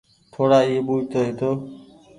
ٿوڙا اي ٻوجه تو هيتو